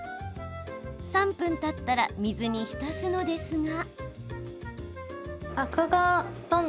３分たったら水にひたすのですが。